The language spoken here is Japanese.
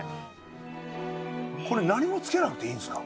これ何もつけなくていいんですか？